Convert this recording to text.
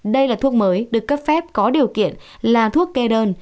đây là thuốc mới được cấp phép có điều kiện là thuốc kê đơn